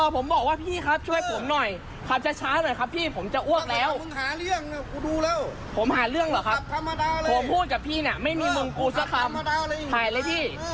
ครับผมจะพูดพี่ไม่มีมึงกูเลย